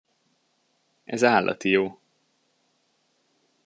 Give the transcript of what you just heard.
Ez állati jó!